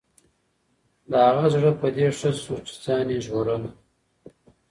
د هغه زړه په دې ښه شو چې ځان یې ژغورلی.